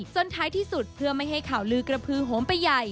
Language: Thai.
ท้ายที่สุดเพื่อไม่ให้ข่าวลือกระพือโหมไปใหญ่